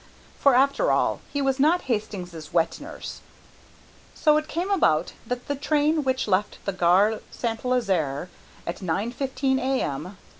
For after all he was not Hastings' wet nurse. So it came about that the train which left the Gare St. Lazare at 9.15 a.m.